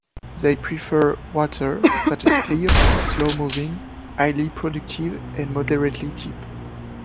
They prefer water that is clear, slow moving, highly productive and moderately deep.